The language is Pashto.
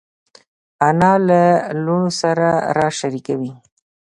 انا له لوڼو سره راز شریکوي